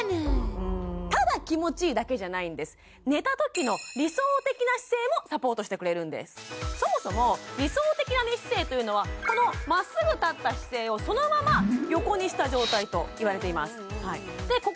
ただ気持ちいいだけじゃないんです寝たときの理想的な姿勢もサポートしてくれるんですそもそも理想的な寝姿勢というのはこのまっすぐ立った姿勢をそのまま横にした状態といわれていますで